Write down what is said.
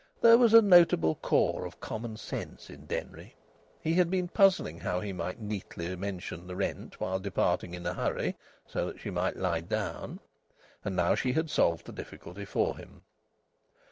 There was a notable core of common sense in Denry. He had been puzzling how he might neatly mention the rent while departing in a hurry so that she might lie down. And now she had solved the difficulty for him.